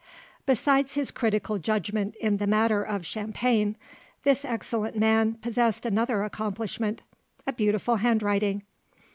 Besides his critical judgment in the matter of champagne, this excellent man possessed another accomplishment a beautiful handwriting.